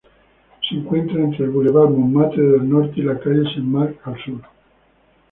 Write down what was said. Se encuentra entre el bulevar Montmartre al norte y la calle Saint-Marc al sur.